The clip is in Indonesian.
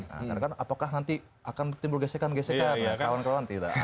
karena kan apakah nanti akan timbul gesekan gesekan kawan kawan tidak